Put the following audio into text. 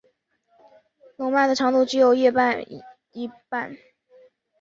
笼蔓的长度只有叶片的一半。